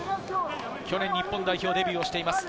去年、日本代表デビューをしています。